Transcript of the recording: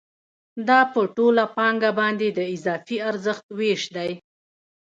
دا په ټوله پانګه باندې د اضافي ارزښت وېش دی